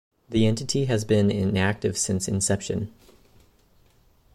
The entity has been inactive since inception.